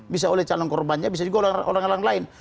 bisa oleh calon korbannya bisa juga oleh orang orang lain